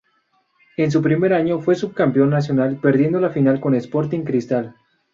En su primer año fue subcampeón nacional, perdiendo la final con Sporting Cristal.